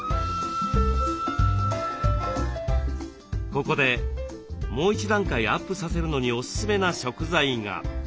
ここでもう１段階アップさせるのにおすすめな食材が。